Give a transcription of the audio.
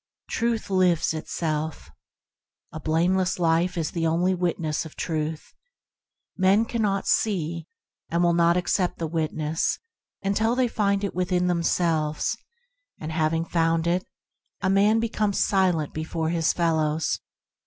Truth lives itself. A blameless life is the only witness of Truth. Men cannot see, and will not accept the witness until they find it within themselves; having found it, a man be comes silent before his fellows.